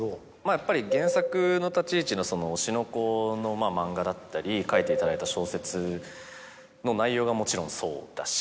やっぱり原作の立ち位置の『推しの子』の漫画だったり書いていただいた小説の内容がもちろんそうだし。